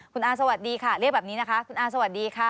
คุณอาสวัสดีค่ะเรียกแบบนี้นะคะคุณอาสวัสดีค่ะ